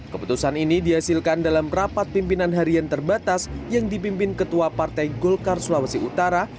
keputusan ini dihasilkan dalam rapat pimpinan harian terbatas yang dipimpin ketua partai golkar sulawesi utara